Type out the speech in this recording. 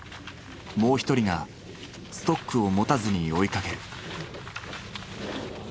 もう一人がストックを持たずに追いかける。